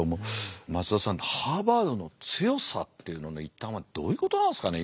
松田さんハーバードの強さっていうのの一端はどういうことなんですかね